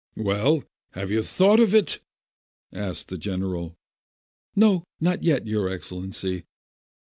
"Well, have you thought of it?" asked the gen eral "No, not yet, your Excellency